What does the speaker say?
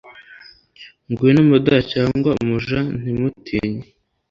Ngwino mada cyangwa umuja, ntimutinye,